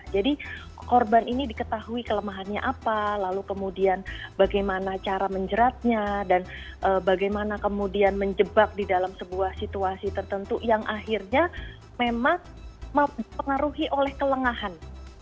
jadi korban ini diketahui kelemahannya apa lalu kemudian bagaimana cara menjeratnya dan bagaimana kemudian menjebak di dalam sebuah situasi tertentu yang akhirnya memang dipengaruhi oleh kelengahan